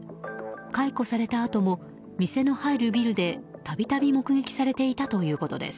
解雇されたあとも店の入るビルで度々、目撃されていたということです。